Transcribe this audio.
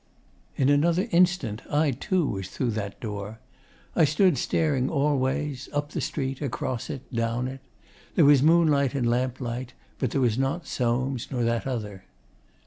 In another instant I too was through that door. I stood staring all ways up the street, across it, down it. There was moonlight and lamplight, but there was not Soames nor that other.